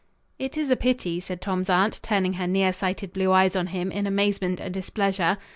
"It is a pity," said Tom's aunt, turning her nearsighted blue eyes on him in amazement and displeasure.